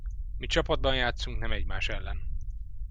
Mi csapatban játszunk, nem egymás ellen.